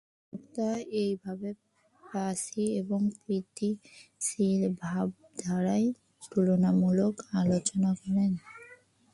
বক্তা এইভাবে প্রাচী এবং প্রতীচীর ভাবধারার তুলনামূলক আলোচনা করেন।